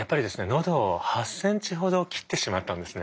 喉を８ｃｍほど切ってしまったんですね。